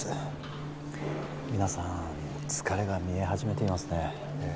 皆さん疲れが見え始めていますねええ